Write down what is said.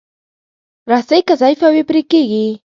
رسۍ که ضعیفه وي، پرې کېږي.